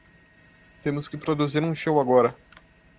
Temos que produzir um show agora.